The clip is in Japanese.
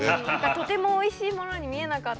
とてもおいしいものに見えなかったです。